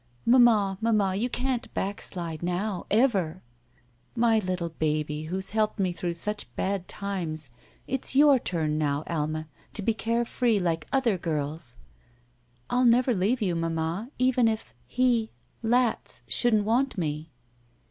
"Mamma! Mamma! you can't backslide now ^ ever.'* "My little baby, who's helped me through such 30 <ITM SHE WALKS IN BEAUTY bad times, it's your turn now, Alma, to be care free like other girls." *'I'll never leave you, mamma, even if — ^he — Latz — shouldn't want me."